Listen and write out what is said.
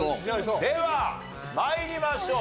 では参りましょう。